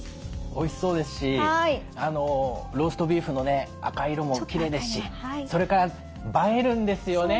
おいしそうですしローストビーフのね赤い色もきれいですしそれから映えるんですよね